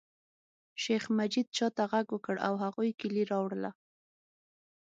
شیخ مجید چاته غږ وکړ او هغوی کیلي راوړله.